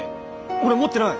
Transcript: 俺持ってない！